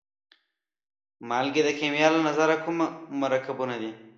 مالګې د کیمیا له نظره کوم مرکبونه دي؟